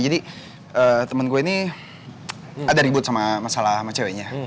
jadi temen gue ini ada ribut sama masalah sama ceweknya